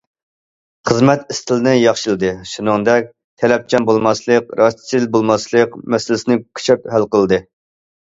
خىزمەت ئىستىلىنى ياخشىلىدى، شۇنىڭدەك‹‹ تەلەپچان بولماسلىق، راستچىل بولماسلىق›› مەسىلىسىنى كۈچەپ ھەل قىلدى.